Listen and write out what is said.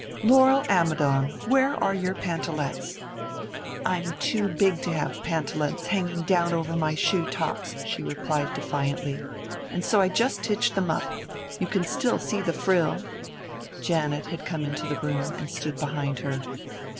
"Laurel Ammidon, wherever are your pantalets?" "I'm too big to have pantalets hanging down over my shoetops," she replied defiantly, "and so I just hitched them up. You can still see the frill." Janet had come into the room, and stood behind her.